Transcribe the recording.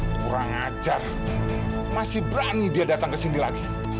kurang ajar masih berani dia datang ke sini lagi